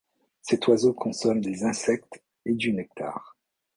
Cet oiseau consomme des insectes et du nectar.